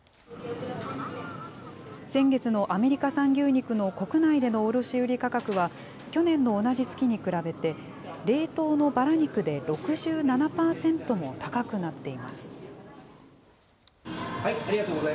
先月のアメリカ産牛肉の国内での卸売り価格は、去年の同じ月に比べて、冷凍のばら肉で６７％も高くなっています。